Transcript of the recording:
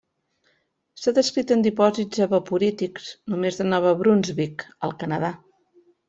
S'ha descrit en dipòsits evaporítics només de Nova Brunsvic, al Canadà.